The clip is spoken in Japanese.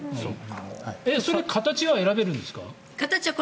それ、形は選べるんですか？